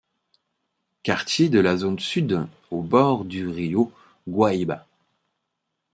Quartier de la zone sud au bord du Rio Guaíba.